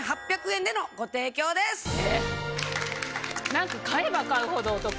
何か買えば買うほどお得。